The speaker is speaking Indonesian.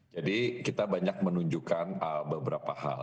jadi kita banyak menunjukkan beberapa hal